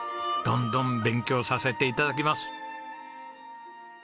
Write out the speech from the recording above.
どんどん勉強させて頂きます。